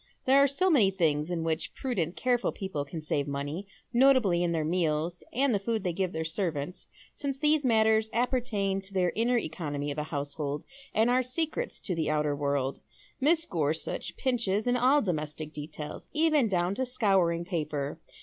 There are so many things in wliich prudent careful people can save money ; notably in their meals and the food they give their servants, since these matters appertain to ths inner economy of a household, and are secrets to the outer world Mrs. Gorsuch pinches in all domestic details, even down to scouring paper.